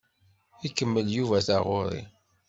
Ikemmel Yuba taɣuri.